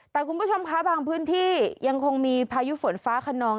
แต่คุณผู้ชมคะบางพื้นที่ยังคงมีพายุฝนฟ้าขนอง